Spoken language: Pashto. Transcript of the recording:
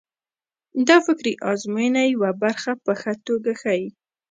دا فکري ازموینه یوه خبره په ښه توګه ښيي.